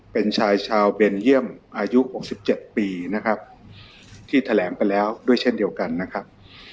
เป็นชายชาวเบลเยี่ยมอายุ๖๗ปีนะครับที่แถลงไปแล้วด้วยเช่นเดียวกันนะครับ